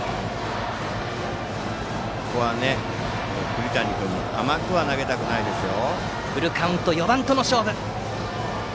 ここは栗谷君甘くは投げたくないですよ。